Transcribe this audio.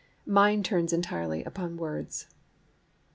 Mine turns entirely upon words.